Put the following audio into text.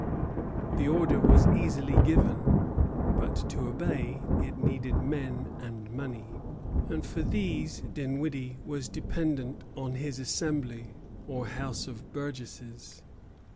The order was easily given; but to obey it needed men and money, and for these Dinwiddie was dependent on his Assembly, or House of Burgesses.